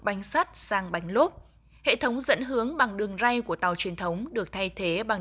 bánh sắt sang bánh lốp hệ thống dẫn hướng bằng đường ray của tàu truyền thống được thay thế bằng